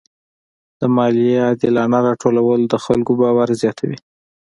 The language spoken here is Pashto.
د مالیې عادلانه راټولول د خلکو باور زیاتوي.